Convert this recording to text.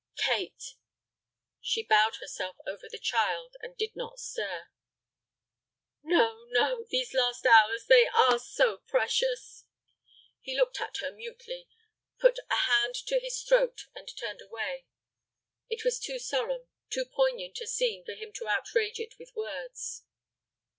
"Kate." She bowed herself over the child, and did not stir. "No, no, these last hours, they are so precious." He looked at her mutely, put a hand to his throat, and turned away. It was too solemn, too poignant a scene for him to outrage it with words.